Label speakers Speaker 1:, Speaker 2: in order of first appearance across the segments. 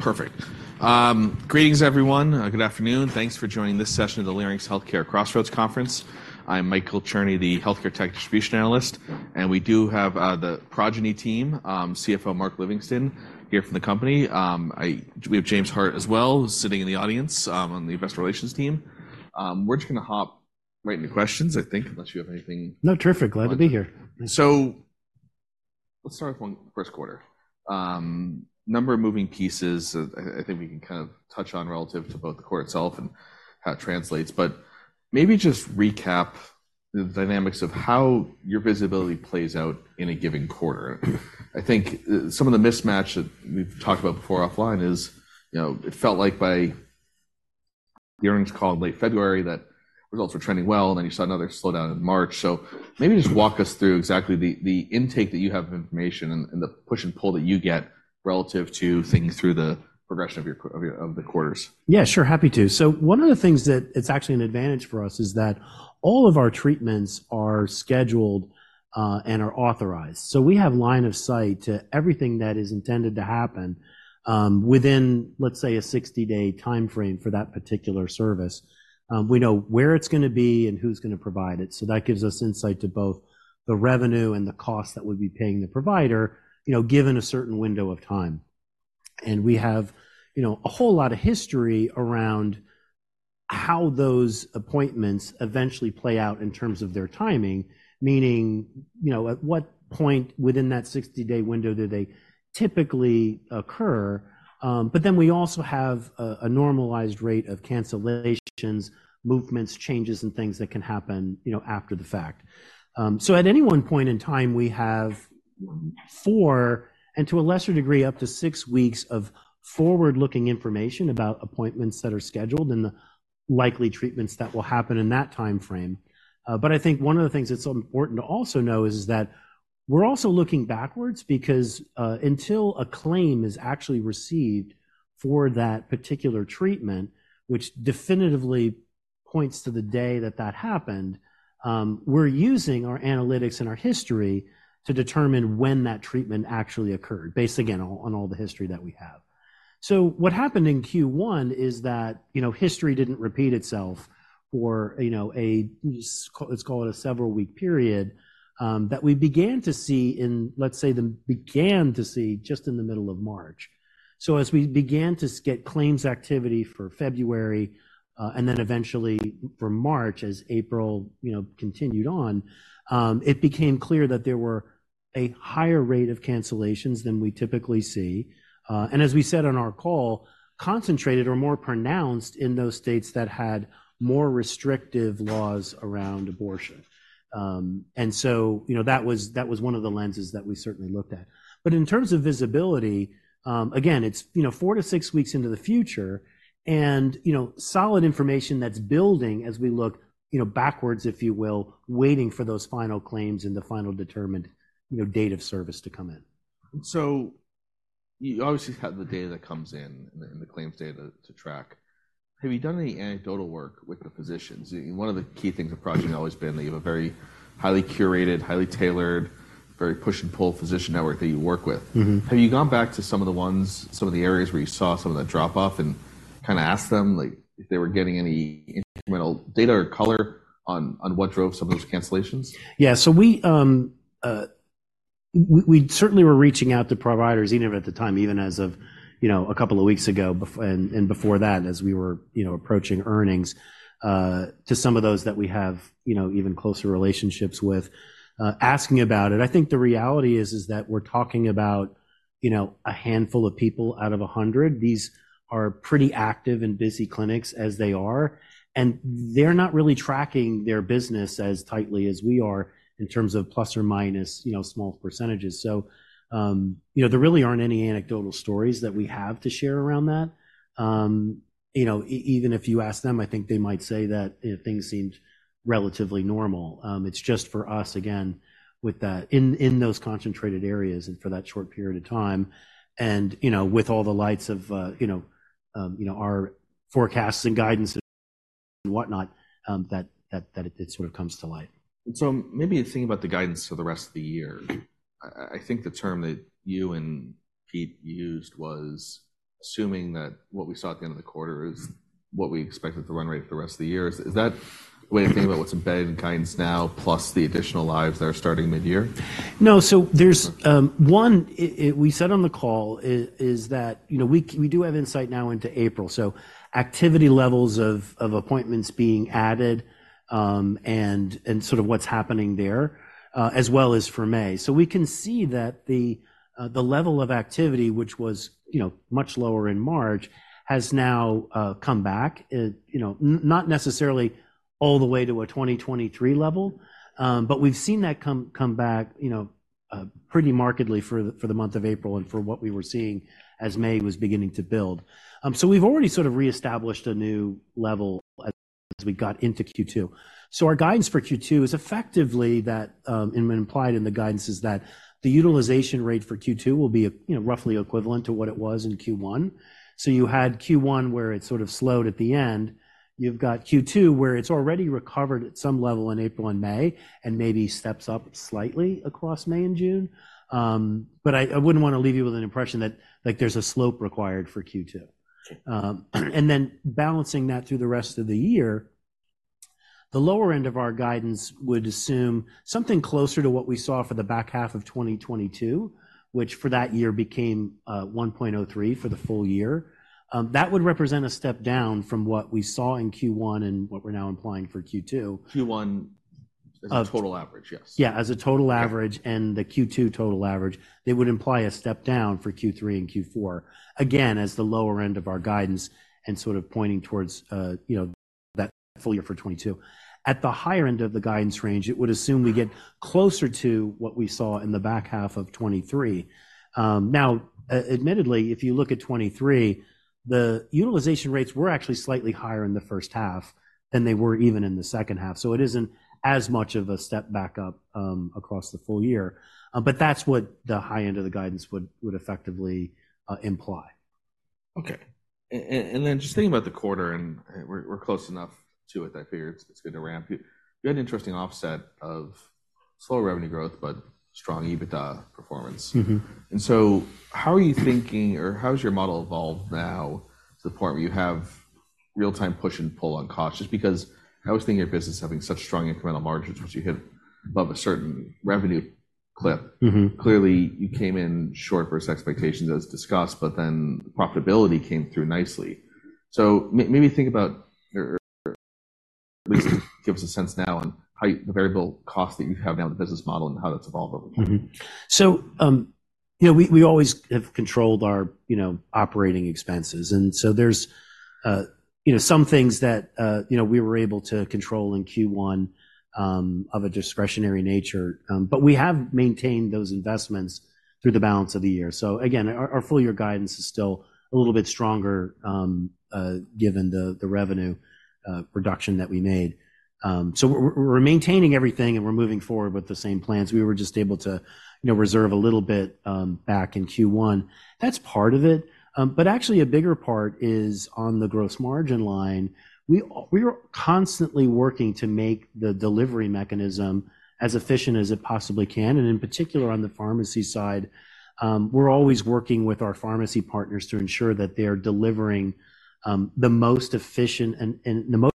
Speaker 1: Perfect. Greetings, everyone. Good afternoon. Thanks for joining this session of the Leerink's Healthcare Crossroads Conference. I'm Michael Cherny, the healthcare tech distribution analyst, and we do have the Progyny team, CFO Mark Livingston, here from the company. We have James Hart as well, who's sitting in the audience, on the investor relations team. We're just gonna hop right into questions, I think, unless you have anything-
Speaker 2: No, terrific. Glad to be here.
Speaker 1: So let's start with one, Q1. Number of moving pieces, I think we can kind of touch on relative to both the quarter itself and how it translates, but maybe just recap the dynamics of how your visibility plays out in a given quarter. I think some of the mismatch that we've talked about before offline is, you know, it felt like by the earnings call in late February, that results were trending well, and then you saw another slowdown in March. So maybe just walk us through exactly the intake that you have of information and the push and pull that you get relative to thinking through the progression of your quarters.
Speaker 2: Yeah, sure, happy to. So one of the things that it's actually an advantage for us is that all of our treatments are scheduled, and are authorized. So we have line of sight to everything that is intended to happen, within, let's say, a 60-day time frame for that particular service. We know where it's gonna be and who's gonna provide it, so that gives us insight to both the revenue and the cost that we'd be paying the provider, you know, given a certain window of time. And we have, you know, a whole lot of history around how those appointments eventually play out in terms of their timing, meaning, you know, at what point within that 60-day window do they typically occur? But then we also have a normalized rate of cancellations, movements, changes, and things that can happen, you know, after the fact. So at any one point in time, we have 4, and to a lesser degree, up to 6 weeks of forward-looking information about appointments that are scheduled and the likely treatments that will happen in that time frame. But I think one of the things that's important to also know is that we're also looking backwards because until a claim is actually received for that particular treatment, which definitively points to the day that that happened, we're using our analytics and our history to determine when that treatment actually occurred, based, again, on all the history that we have. So what happened in Q1 is that, you know, history didn't repeat itself for, you know, a- Let's call it a several-week period, that we began to see in, let's say, then began to see just in the middle of March. So as we began to get claims activity for February, and then eventually for March, as April, you know, continued on, it became clear that there were a higher rate of cancellations than we typically see. And as we said on our call, concentrated or more pronounced in those states that had more restrictive laws around abortion. And so, you know, that was one of the lenses that we certainly looked at. But in terms of visibility, again, it's, you know, 4-6 weeks into the future and, you know, solid information that's building as we look, you know, backwards, if you will, waiting for those final claims and the final determined, you know, date of service to come in.
Speaker 1: So you obviously have the data that comes in, and the claims data to track. Have you done any anecdotal work with the physicians? One of the key things of Progyny always been that you have a very highly curated, highly tailored, very push-and-pull physician network that you work with. Have you gone back to some of the ones, some of the areas where you saw some of that drop off and kinda asked them, like, if they were getting any incremental data or color on what drove some of those cancellations?
Speaker 2: Yeah. So we certainly were reaching out to providers, even at the time, even as of, you know, a couple of weeks ago, and before that, as we were, you know, approaching earnings, to some of those that we have, you know, even closer relationships with, asking about it. I think the reality is that we're talking about, you know, a handful of people out of 100. These are pretty active and busy clinics as they are, and they're not really tracking their business as tightly as we are in terms of plus or minus, you know, small percentages. So, you know, there really aren't any anecdotal stories that we have to share around that. You know, even if you ask them, I think they might say that, you know, things seemed relatively normal. It's just for us, again, with that in those concentrated areas and for that short period of time, and, you know, with all the lights of, you know, our forecasts and guidance and whatnot, that it sort of comes to light.
Speaker 1: So maybe think about the guidance for the rest of the year. I think the term that you and Pete used was assuming that what we saw at the end of the quarter is what we expected the run rate for the rest of the year. Is that way of thinking about what's embedded in guidance now, plus the additional lives that are starting mid-year?
Speaker 2: No. So there's one, we said on the call is that, you know, we, do have insight now into April, so activity levels of appointments being added, and sort of what's happening there, as well as for May. So we can see that the level of activity, which was, you know, much lower in March, has now come back, you know, not necessarily all the way to a 2023 level, but we've seen that come back, you know, pretty markedly for the month of April and for what we were seeing as May was beginning to build. So we've already sort of reestablished a new level as we got into Q2. So our guidance for Q2 is effectively that, and implied in the guidance is that the utilization rate for Q2 will be, you know, roughly equivalent to what it was in Q1. So you had Q1, where it sort of slowed at the end. You've got Q2, where it's already recovered at some level in April and May, and maybe steps up slightly across May and June. But, I wouldn't want to leave you with an impression that, like, there's a slope required for Q2.
Speaker 1: Okay.
Speaker 2: The lower end of our guidance would assume something closer to what we saw for the back half of 2022, which for that year became 1.03 for the full year. That would represent a step down from what we saw in Q1 and what we're now implying for Q2.
Speaker 1: Q1, as a total average, yes.
Speaker 2: Yeah, as a total average, and the Q2 total average, they would imply a step down for Q3 and Q4. Again, as the lower end of our guidance and sort of pointing towards, you know, that full year for 2022. At the higher end of the guidance range, it would assume we get closer to what we saw in the back half of 2023. Now, admittedly, if you look at 2023, the utilization rates were actually slightly higher in the first half than they were even in the second half, so it isn't as much of a step back up across the full year. But that's what the high end of the guidance would effectively imply.
Speaker 1: Okay. And then just thinking about the quarter, and we're close enough to it that I figure it's good to ramp you. You had an interesting offset of slow revenue growth, but strong EBITDA performance. And so how are you thinking, or how has your model evolved now to the point where you have real-time push and pull on costs? Just because I always think your business having such strong incremental margins, once you hit above a certain revenue clip. Clearly, you came in short versus expectations as discussed, but then profitability came through nicely. So maybe think about or at least give us a sense now on how the variable cost that you have now in the business model and how that's evolved over time.
Speaker 2: So, you know, we always have controlled our, you know, operating expenses. And so there's, you know, some things that, you know, we were able to control in Q1, of a discretionary nature, but we have maintained those investments through the balance of the year. So again, our full year guidance is still a little bit stronger, given the revenue reduction that we made. So we're maintaining everything and we're moving forward with the same plans. We were just able to, you know, reserve a little bit, back in Q1. That's part of it, but actually a bigger part is on the gross margin line. We are constantly working to make the delivery mechanism as efficient as it possibly can, and in particular, on the pharmacy side, we're always working with our pharmacy partners to ensure that they are delivering the most efficient and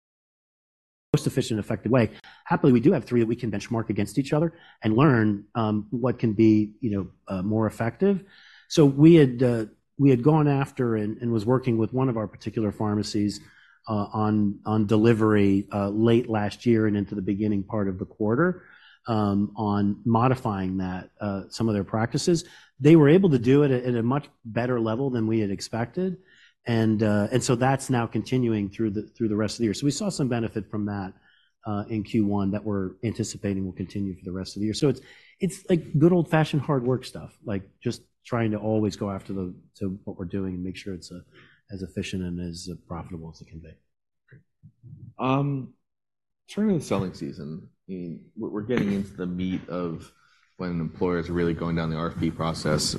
Speaker 2: effective way. Happily, we do have three that we can benchmark against each other and learn what can be, you know, more effective. So we had gone after and was working with one of our particular pharmacies on delivery late last year and into the beginning part of the quarter on modifying some of their practices. They were able to do it at a much better level than we had expected. And so that's now continuing through the rest of the year. So we saw some benefit from that in Q1 that we're anticipating will continue for the rest of the year. So it's like good old-fashioned hard work stuff, like just trying to always go after to what we're doing and make sure it's as efficient and as profitable as it can be.
Speaker 1: Turning to the selling season, we're getting into the meat of when employers are really going down the RFP process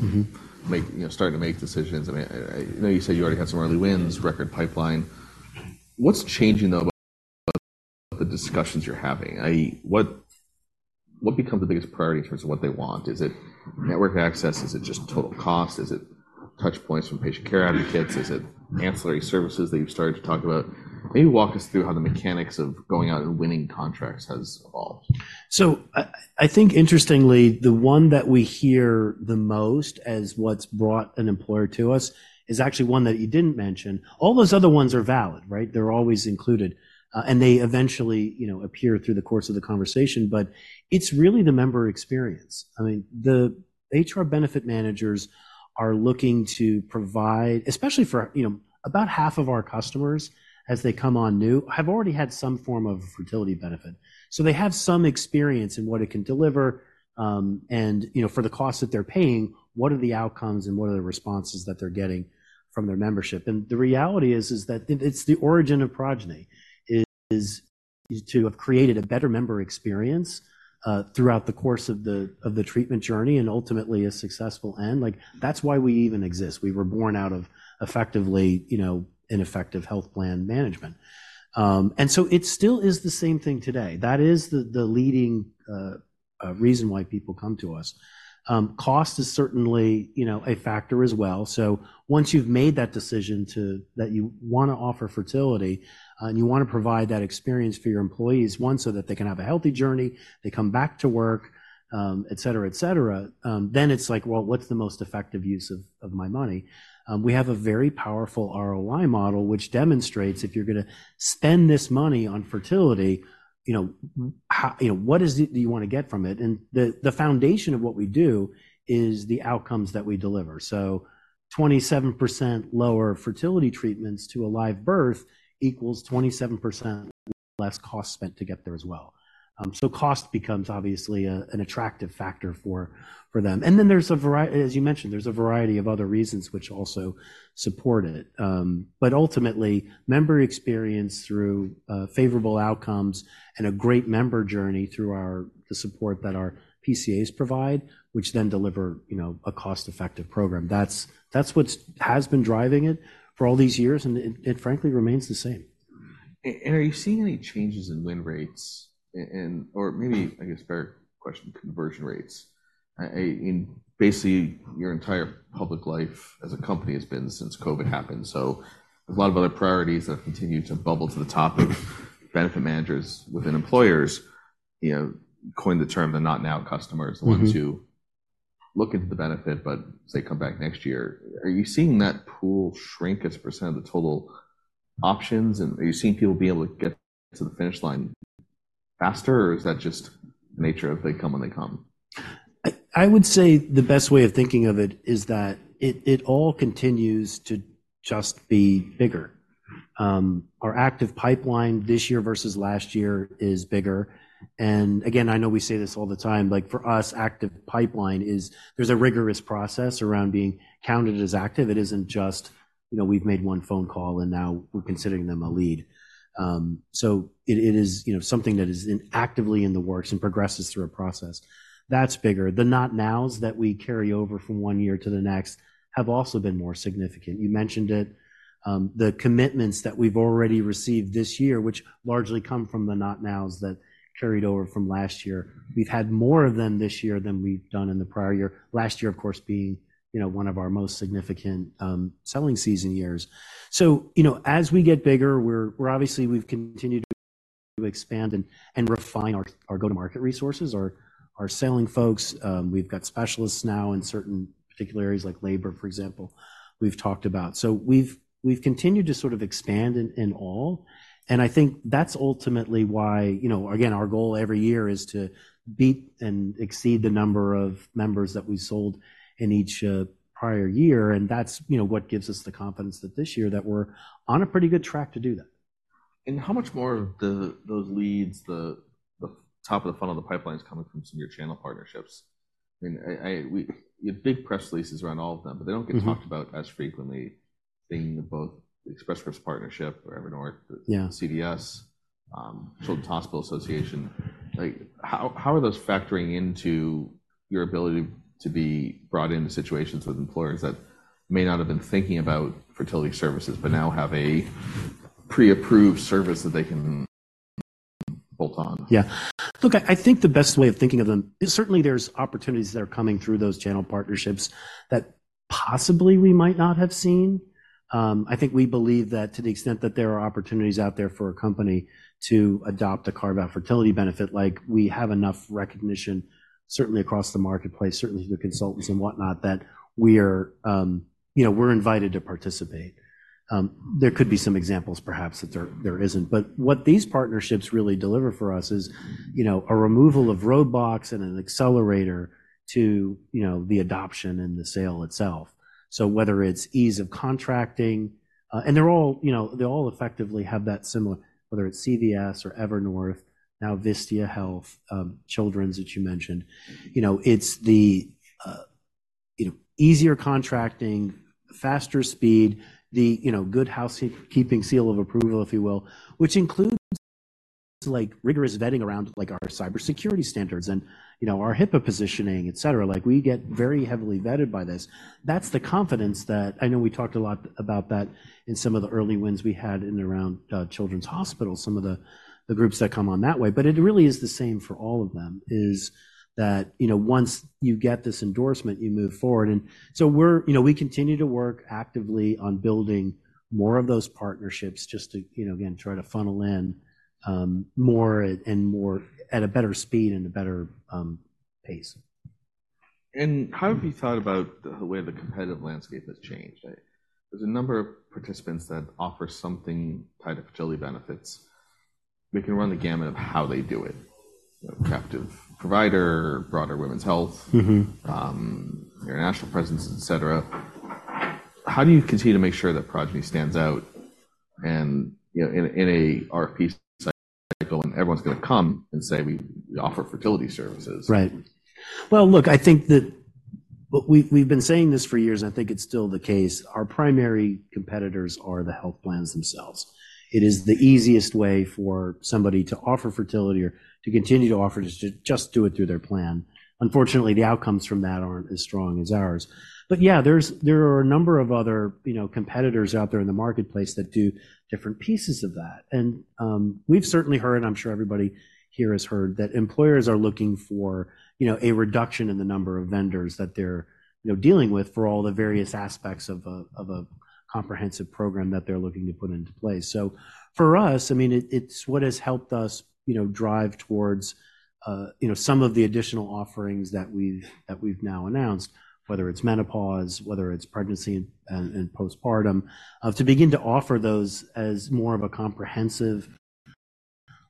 Speaker 1: making, you know, starting to make decisions. I mean, I know you said you already had some early wins, record pipeline. What's changing, though, about the discussions you're having? i.e., what become the biggest priority in terms of what they want? Is it network access? Is it just total cost? Is it touch points from patient care advocates? Is it ancillary services that you've started to talk about? Maybe walk us through how the mechanics of going out and winning contracts has evolved.
Speaker 2: So I think interestingly, the one that we hear the most as what's brought an employer to us is actually one that you didn't mention. All those other ones are valid, right? They're always included, and they eventually, you know, appear through the course of the conversation, but it's really the member experience. I mean, the HR benefit managers are looking to provide, especially for, you know, about half of our customers as they come on new, have already had some form of fertility benefit. So they have some experience in what it can deliver, and, you know, for the cost that they're paying, what are the outcomes and what are the responses that they're getting from their membership? The reality is that it's the origin of Progyny is to have created a better member experience throughout the course of the treatment journey and ultimately a successful end. Like, that's why we even exist. We were born out of effectively, you know, ineffective health plan management. And so it still is the same thing today. That is the leading reason why people come to us. Cost is certainly, you know, a factor as well. So once you've made that decision to that you want to offer fertility and you want to provide that experience for your employees so that they can have a healthy journey, they come back to work, etc. Then it's like, well, what's the most effective use of my money? We have a very powerful ROI model, which demonstrates if you're going to spend this money on fertility, you know, how, you know, what is it do you want to get from it? And the foundation of what we do is the outcomes that we deliver. So 27% lower fertility treatments to a live birth equals 27% less cost spent to get there as well. So cost becomes obviously an attractive factor for them. And then there's a variety, as you mentioned, there's a variety of other reasons which also support it. But ultimately, member experience through favorable outcomes and a great member journey through our support that our PCAs provide, which then deliver, you know, a cost-effective program. That's what's has been driving it for all these years, and it frankly remains the same.
Speaker 1: Are you seeing any changes in win rates? Or maybe, I guess, fair question, conversion rates? In basically, your entire public life as a company has been since COVID happened. There's a lot of other priorities that continue to bubble to the top of benefit managers within employers. You know, coined the term the not now customers. The ones who look into the benefit, but say, come back next year. Are you seeing that pool shrink as a percent of the total options, and are you seeing people be able to get to the finish line faster, or is that just the nature of they come when they come?
Speaker 2: I would say the best way of thinking of it is that it all continues to just be bigger. Our active pipeline this year versus last year is bigger. And again, I know we say this all the time, like for us, active pipeline is, there's a rigorous process around being counted as active. It isn't just, you know, we've made one phone call, and now we're considering them a lead. So it is, you know, something that is actively in the works and progresses through a process. That's bigger. The not nows that we carry over from one year to the next have also been more significant. You mentioned it, the commitments that we've already received this year, which largely come from the not nows that carried over from last year. We've had more of them this year than we've done in the prior year. Last year, of course, being, you know, one of our most significant selling season years. So, you know, as we get bigger, we're obviously we've continued to expand and refine our go-to-market resources, our selling folks. We've got specialists now in certain particular areas like labor, for example, we've talked about. So we've continued to sort of expand in all, and I think that's ultimately why, you know, again, our goal every year is to beat and exceed the number of members that we sold in each prior year, and that's, you know, what gives us the confidence that this year, that we're on a pretty good track to do that.
Speaker 1: And how much more of the those leads, the top of the funnel of the pipeline is coming from some of your channel partnerships? I mean, you have big press releases around all of them, but they don't get talked about as frequently. Thinking of both the Express Scripts partnership or Evernorth-
Speaker 2: Yeah.
Speaker 1: CVS, Children's Hospital Association. Like, how are those factoring into your ability to be brought into situations with employers that may not have been thinking about fertility services but now have a pre-approved service that they can bolt on?
Speaker 2: Yeah. Look, I think the best way of thinking of them is certainly there's opportunities that are coming through those channel partnerships that possibly we might not have seen. I think we believe that to the extent that there are opportunities out there for a company to adopt a carve-out fertility benefit, like we have enough recognition, certainly across the marketplace, certainly through the consultants and whatnot, that we are, you know, we're invited to participate. There could be some examples, perhaps, that there isn't. But what these partnerships really deliver for us is, you know, a removal of roadblocks and an accelerator to, you know, the adoption and the sale itself. So whether it's ease of contracting. And they're all, you know, they all effectively have that similar, whether it's CVS or Evernorth, now Vistia Health, Children's, that you mentioned. You know, it's the, you know, easier contracting, faster speed, the, you know, good housekeeping seal of approval, if you will, which includes, like, rigorous vetting around, like, our cybersecurity standards and, you know, our HIPAA positioning, etc. Like, we get very heavily vetted by this. That's the confidence that. I know we talked a lot about that in some of the early wins we had in around, Children's Hospital Association, some of the groups that come on that way. But it really is the same for all of them, is that, you know, once you get this endorsement, you move forward. And so we're, you know, we continue to work actively on building more of those partnerships just to, you know, again, try to funnel in, more and more at a better speed and a better pace.
Speaker 1: How have you thought about the way the competitive landscape has changed? There's a number of participants that offer something, kind of fertility benefits. They can run the gamut of how they do it, you know, captive provider, broader women's health international presence, etc. How do you continue to make sure that Progyny stands out and, you know, in a RFP cycle, and everyone's gonna come and say, we offer fertility services?
Speaker 2: Right. Well, look, I think that we've been saying this for years, and I think it's still the case. Our primary competitors are the health plans themselves. It is the easiest way for somebody to offer fertility or to continue to offer it, is to just do it through their plan. Unfortunately, the outcomes from that aren't as strong as ours. But yeah, there are a number of other, you know, competitors out there in the marketplace that do different pieces of that. And, we've certainly heard, and I'm sure everybody here has heard, that employers are looking for, you know, a reduction in the number of vendors that they're, you know, dealing with for all the various aspects of a comprehensive program that they're looking to put into place. So for us, I mean, it's what has helped us, you know, drive towards, you know, some of the additional offerings that we've, that we've now announced, whether it's menopause, whether it's pregnancy, and postpartum, to begin to offer those as more of a comprehensive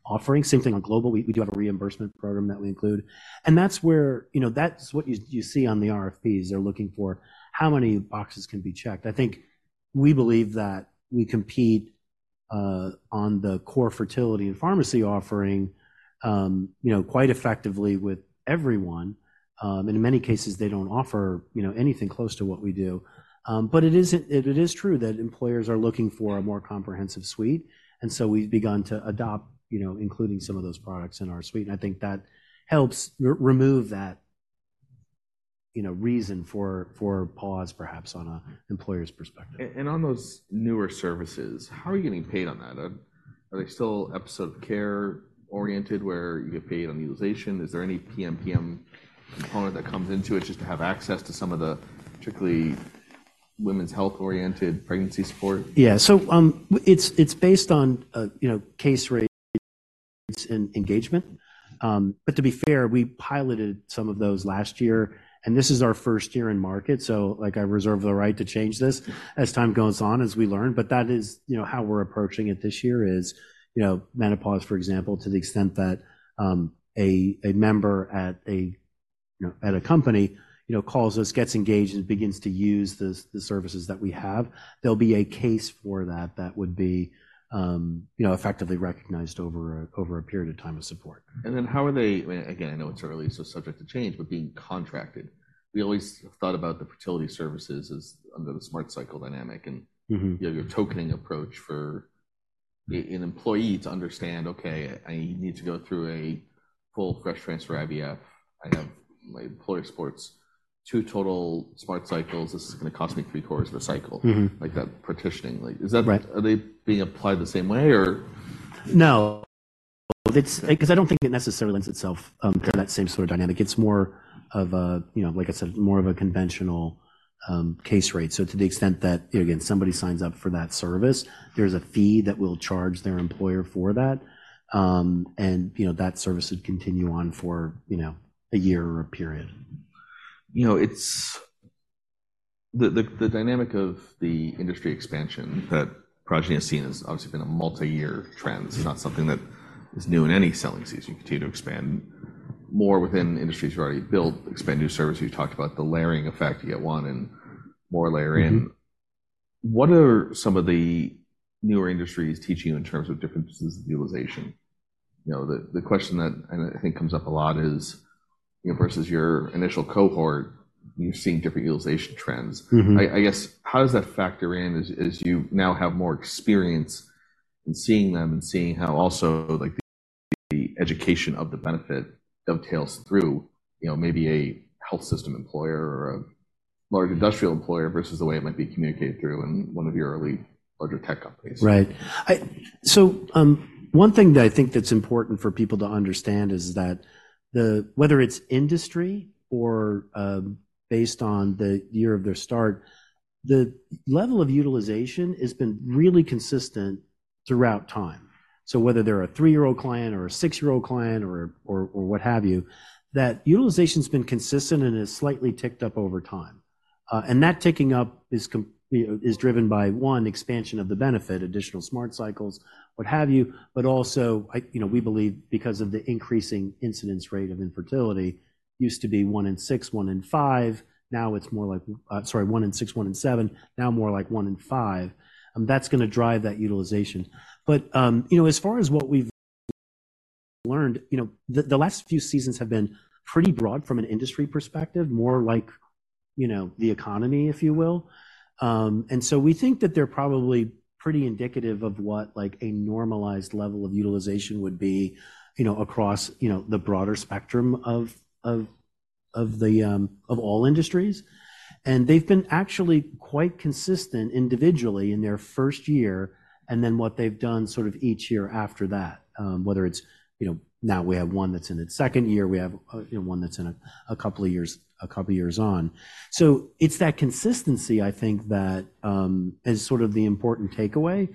Speaker 2: offering. Same thing on global. We, do have a reimbursement program that we include, and that's where, you know, that's what you, you see on the RFPs. They're looking for how many boxes can be checked. I think we believe that we compete, on the core fertility and pharmacy offering, you know, quite effectively with everyone. And in many cases, they don't offer, you know, anything close to what we do. It is true that employers are looking for a more comprehensive suite, and so we've begun to adopt, you know, including some of those products in our suite. I think that helps remove that, you know, reason for pause, perhaps on an employer's perspective.
Speaker 1: On those newer services, how are you getting paid on that? Are they still episode care-oriented where you get paid on utilization? Is there any PMPM component that comes into it just to have access to some of the particularly women's health-oriented pregnancy support?
Speaker 2: Yeah. So, it's based on, you know, case rates and engagement. But to be fair, we piloted some of those last year, and this is our first year in market. So, like, I reserve the right to change this as time goes on, as we learn, but that is, you know, how we're approaching it this year is, you know, menopause, for example, to the extent that a member at a, you know, at a company, you know, calls us, gets engaged, and begins to use the services that we have. There'll be a case for that that would be, you know, effectively recognized over a period of time of support.
Speaker 1: Then how are they - again, I know it's early, so subject to change, but being contracted. We always have thought about the fertility services as under the Smart Cycle dynamic, and you have your tokening approach for an employee to understand, okay, I need to go through a full fresh transfer IVF. I have my employer supports 2 total Smart Cycles. This is gonna cost me 3/4 per cycle. Like that partitioning. Like, is that-
Speaker 2: Right.
Speaker 1: Are they being applied the same way, or?
Speaker 2: No. It's 'cause I don't think it necessarily lends itself to that same sort of dynamic. It's more of a, you know, like I said, more of a conventional, case rate. So to the extent that, again, somebody signs up for that service, there's a fee that we'll charge their employer for that. And, you know, that service would continue on for, you know, a year or a period.
Speaker 1: You know, it's the dynamic of the industry expansion that Progyny has seen has obviously been a multi-year trend. It's not something that is new in any selling season. You continue to expand more within industries you've already built, expand new services. You talked about the layering effect. You get one and more layer in. What are some of the newer industries teaching you in terms of different pieces of utilization? You know, the question that I think comes up a lot is, you know, versus your initial cohort, you're seeing different utilization trends. I guess, how does that factor in as you now have more experience in seeing them and seeing how also, like, the education of the benefit dovetails through, you know, maybe a health system employer or a large industrial employer versus the way it might be communicated through in one of your early larger tech companies?
Speaker 2: Right. So, one thing that I think that's important for people to understand is that the, whether it's industry or based on the year of their start, the level of utilization has been really consistent throughout time. So whether they're a 3-year-old client or a 6-year-old client or what have you, that utilization's been consistent and has slightly ticked up over time. And that ticking up you know, is driven by, one, expansion of the benefit, additional smart cycles, what have you, but also, I you know, we believe because of the increasing incidence rate of infertility. Used to be 1 in 6, 1 in 5, now it's more like... Sorry, 1 in 6, 1 in 7, now more like 1 in 5, and that's gonna drive that utilization. But, you know, as far as what we've learned, you know, the last few seasons have been pretty broad from an industry perspective, more like, you know, the economy, if you will. And so we think that they're probably pretty indicative of what, like, a normalized level of utilization would be, you know, across, you know, the broader spectrum of all industries. And they've been actually quite consistent individually in their first year and then what they've done sort of each year after that, whether it's, you know, now we have one that's in its second year, we have, you know, one that's in a couple of years, a couple of years on. So it's that consistency, I think, that is sort of the important takeaway.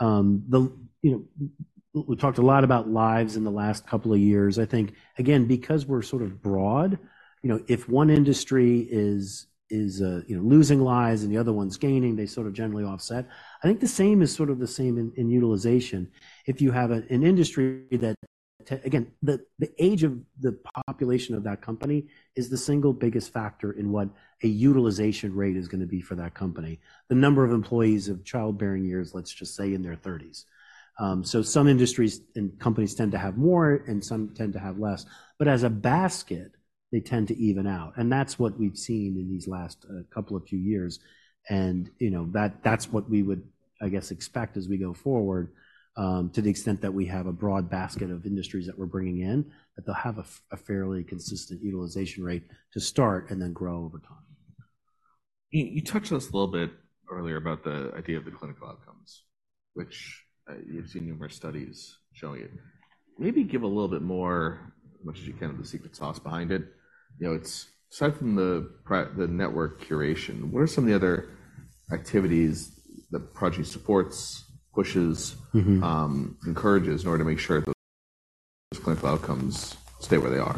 Speaker 2: You know, we've talked a lot about lives in the last couple of years. I think, again, because we're sort of broad, you know, if one industry is losing lives and the other one's gaining, they sort of generally offset. I think the same is sort of the same in utilization. If you have an industry that, again, the age of the population of that company is the single biggest factor in what a utilization rate is gonna be for that company. The number of employees of childbearing years, let's just say, in their thirties. So some industries and companies tend to have more, and some tend to have less. But as a basket, they tend to even out, and that's what we've seen in these last couple of years, and, you know, that's what we would, I guess, expect as we go forward, to the extent that we have a broad basket of industries that we're bringing in, that they'll have a fairly consistent utilization rate to start and then grow over time.
Speaker 1: You talked to us a little bit earlier about the idea of the clinical outcomes, which you've seen numerous studies showing it. Maybe give a little bit more, as much as you can, of the secret sauce behind it. You know, it's aside from the network curation, what are some of the other activities that Progyny supports, pushes encourages in order to make sure the clinical outcomes stay where they are?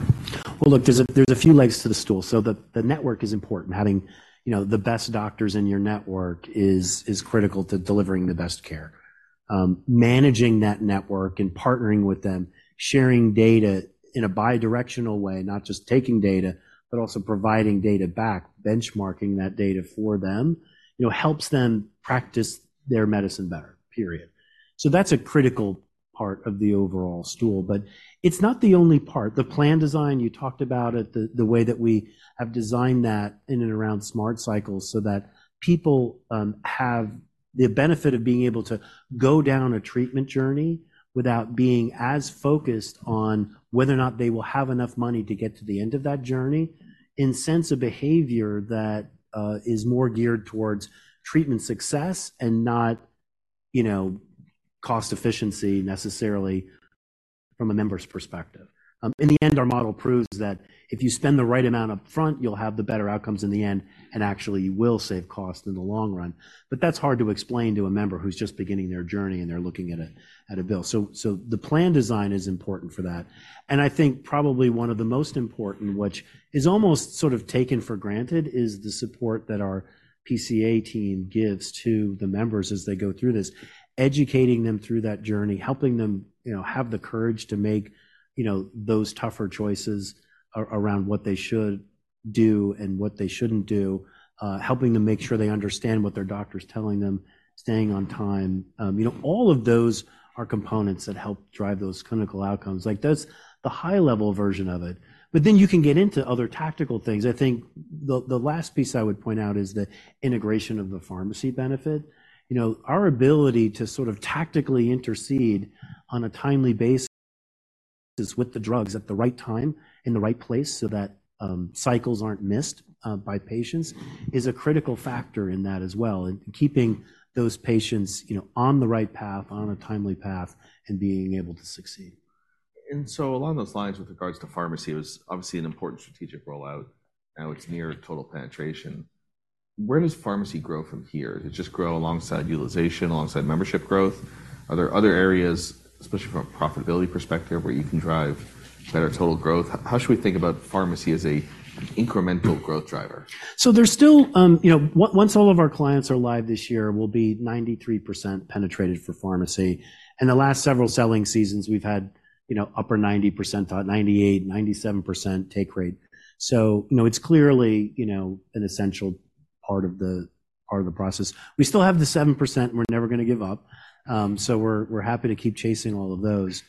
Speaker 2: Well, look, there's a few legs to the stool. So the network is important. Having, you know, the best doctors in your network is critical to delivering the best care. Managing that network and partnering with them, sharing data in a bidirectional way, not just taking data, but also providing data back, benchmarking that data for them, you know, helps them practice their medicine better, period. So that's a critical part of the overall stool, but it's not the only part. The plan design, you talked about it, the way that we have designed that in and around smart cycles so that people have the benefit of being able to go down a treatment journey- -without being as focused on whether or not they will have enough money to get to the end of that journey, incents a behavior that is more geared towards treatment success and not, you know, cost efficiency necessarily from a member's perspective. In the end, our model proves that if you spend the right amount up front, you'll have the better outcomes in the end, and actually, you will save cost in the long run. But that's hard to explain to a member who's just beginning their journey, and they're looking at a bill. So the plan design is important for that. I think probably one of the most important, which is almost sort of taken for granted, is the support that our PCA team gives to the members as they go through this, educating them through that journey, helping them, you know, have the courage to make, you know, those tougher choices around what they should do and what they shouldn't do, helping them make sure they understand what their doctor's telling them, staying on time. You know, all of those are components that help drive those clinical outcomes. Like, that's the high-level version of it. But then you can get into other tactical things. I think the last piece I would point out is the integration of the pharmacy benefit. You know, our ability to sort of tactically intercede on a timely basis with the drugs at the right time, in the right place, so that cycles aren't missed by patients, is a critical factor in that as well, in keeping those patients, you know, on the right path, on a timely path, and being able to succeed.
Speaker 1: And so along those lines, with regards to pharmacy, it was obviously an important strategic rollout. Now it's near total penetration. Where does pharmacy grow from here? It just grow alongside utilization, alongside membership growth. Are there other areas, especially from a profitability perspective, where you can drive better total growth? How should we think about pharmacy as a incremental growth driver?
Speaker 2: So there's still... You know, once all of our clients are live this year, we'll be 93% penetrated for pharmacy. In the last several selling seasons, we've had, you know, upper 90%, 98%, 97% take rate. So, you know, it's clearly, you know, an essential part of the process. We still have the 7%, and we're never gonna give up. So we're happy to keep chasing all of those.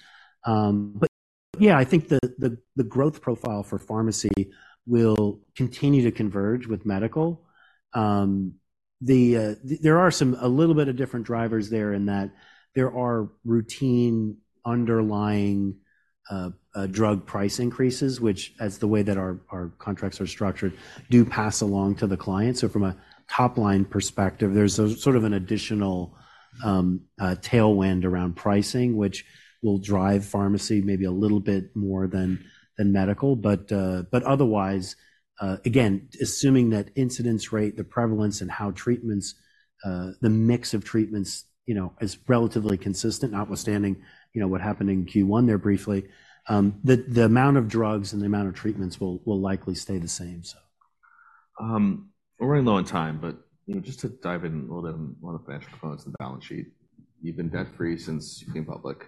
Speaker 2: But yeah, I think the growth profile for pharmacy will continue to converge with medical. The, there are some a little bit of different drivers there in that there are routine underlying, drug price increases, which as the way that our contracts are structured, do pass along to the client. So from a top-line perspective, there's a sort of an additional tailwind around pricing, which will drive pharmacy maybe a little bit more than medical. But otherwise, again, assuming that incidence rate, the prevalence and how treatments, the mix of treatments, you know, is relatively consistent, notwithstanding, you know, what happened in Q1 one there briefly, the amount of drugs and the amount of treatments will likely stay the same so.
Speaker 1: We're running low on time, but, you know, just to dive in a little bit on one of the financial components, the balance sheet. You've been debt-free since you've been public.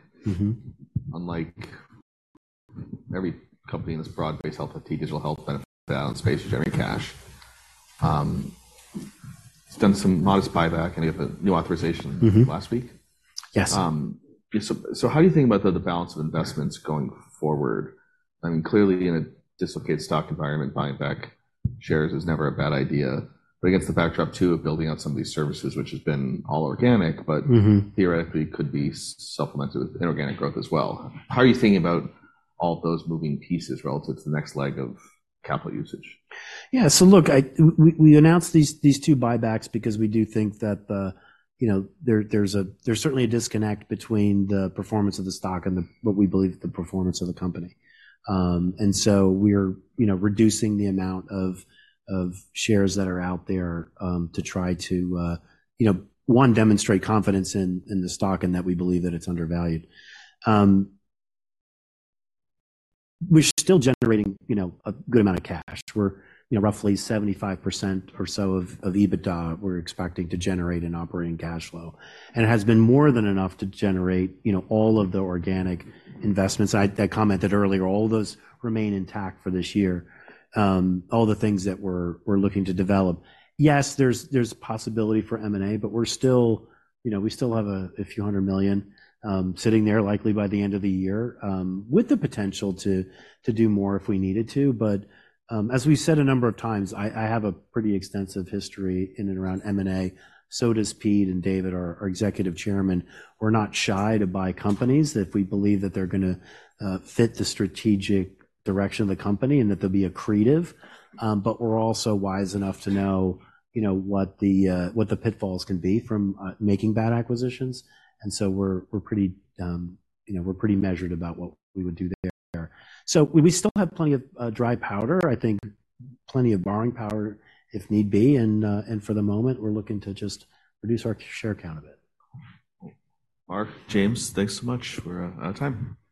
Speaker 1: Unlike every company in this broad-based health, IT, digital health, benefit, balance space, you're generating cash. It's done some modest buyback, and you have a new authorization last week?
Speaker 2: Yes.
Speaker 1: So, how do you think about the balance of investments going forward? I mean, clearly, in a dislocated stock environment, buying back shares is never a bad idea, but against the backdrop, too, of building out some of these services, which has been all organic. But theoretically could be supplemented with inorganic growth as well. How are you thinking about all those moving pieces relative to the next leg of capital usage?
Speaker 2: Yeah, so look, we announced these two buybacks because we do think that there's certainly a disconnect between the performance of the stock and what we believe is the performance of the company. And so we're reducing the amount of shares that are out there to demonstrate confidence in the stock and that we believe that it's undervalued. We're still generating a good amount of cash. We're roughly 75% or so of EBITDA, we're expecting to generate in operating cash flow. And it has been more than enough to generate all of the organic investments. I commented earlier, all those remain intact for this year, all the things that we're looking to develop. Yes, there's possibility for M&A, but we're still, you know, we still have a few hundred million sitting there, likely by the end of the year, with the potential to do more if we needed to. But, as we've said a number of times, I have a pretty extensive history in and around M&A, so does Pete and David, our Executive Chairman. We're not shy to buy companies that we believe that they're gonna fit the strategic direction of the company and that they'll be accretive. But we're also wise enough to know, you know, what the pitfalls can be from making bad acquisitions, and so we're pretty, you know, we're pretty measured about what we would do there. So we still have plenty of dry powder, I think plenty of borrowing power, if need be, and for the moment, we're looking to just reduce our share count a bit.
Speaker 1: Mark, James, thanks so much. We're out of time.